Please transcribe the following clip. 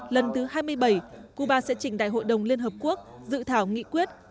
lần thứ hai mươi bảy cuba sẽ chỉnh đại hội đồng liên hợp quốc dự thảo nghị quyết